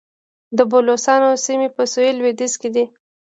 د بلوڅانو سیمې په سویل لویدیځ کې دي